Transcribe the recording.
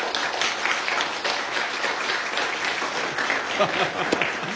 ハハハハ。